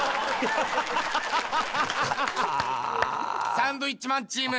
サンドウィッチマンチーム